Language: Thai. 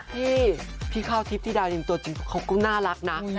พี่พี่ข้าวทิพย์ธิดาจริงตัวจริงเขาก็น่ารักนะ